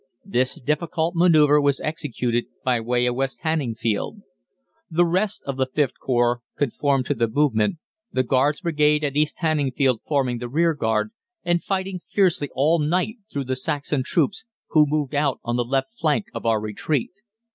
This difficult manoeuvre was executed by way of West Hanningfield. The rest of the Vth Corps conformed to the movement, the Guards Brigade at East Hanningfield forming the rearguard, and fighting fiercely all night through with the Saxon troops, who moved out on the left flank of our retreat.